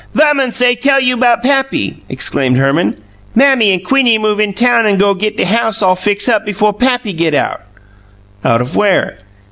"Verman say tell you 'bout pappy," explained Herman. "Mammy an' Queenie move in town an' go git de house all fix up befo' pappy git out." "Out of where?"